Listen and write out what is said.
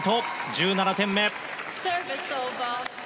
１７点目。